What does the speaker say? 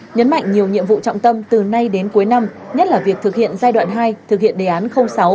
nhấn mạnh nhiều nhiệm vụ trọng tâm từ nay đến cuối năm nhất là việc thực hiện giai đoạn hai thực hiện đề án sáu